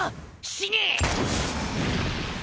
死ね！